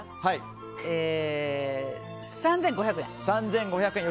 ３５００円。